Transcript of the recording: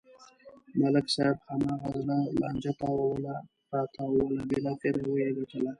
ملک صاحب هماغه زړه لانجه تاووله راتاووله بلاخره و یې گټله.